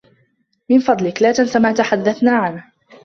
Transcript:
من فضلك، لا تنس ما تحدّثنا عنه.